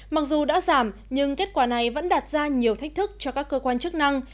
mặc dù đã giảm nhưng kết quả này vẫn đạt ra nhiều thách thức cho các cơ quan chức năng